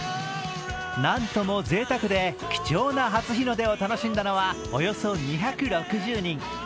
何ともぜいたくで貴重な初日の出を楽しんだのはおよそ２６０人。